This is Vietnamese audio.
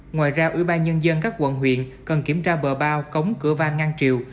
ngoài ra ủy ban nhân dân các quận huyện cần kiểm tra bờ bao cống cửa van ngang triều